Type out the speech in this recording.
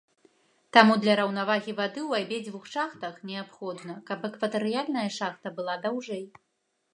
Таму для раўнавагі вады ў абедзвюх шахтах неабходна, каб экватарыяльная шахта была даўжэй.